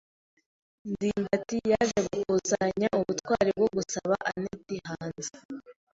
ndimbati yaje gukusanya ubutwari bwo gusaba anet hanze.